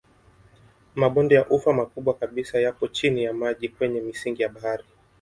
Mabonde ya ufa makubwa kabisa yapo chini ya maji kwenye misingi ya bahari.